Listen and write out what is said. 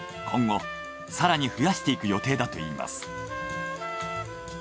今後更に増やしていく予定だといいます。